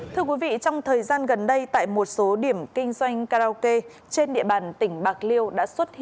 thưa quý vị trong thời gian gần đây tại một số điểm kinh doanh karaoke trên địa bàn tỉnh bạc liêu